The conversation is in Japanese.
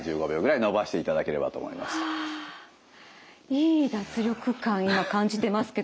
いい脱力感今感じてますけども。